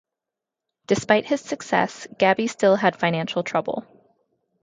Despite his success, Gabby still had financial trouble.